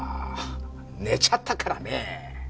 寝ちゃったからね。